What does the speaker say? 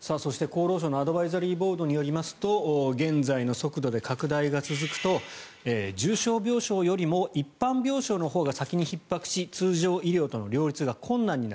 そして、厚労省のアドバイザリーボードによりますと現在の速度で拡大が続くと重症病床よりも一般病床のほうが先にひっ迫し通常医療との両立が困難になる。